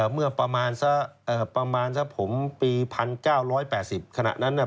เมื่อประมาณปี๑๙๘๐ขณะนั้นเนี่ย